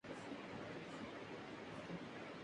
hypnotism کے ماہر اپنی ترغیب سے جادو اثر نتائج حاصل کرتے ہیں